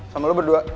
sama lu berdua